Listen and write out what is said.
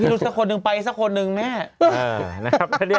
พี่รุสไปสักคนหนึ่งแน่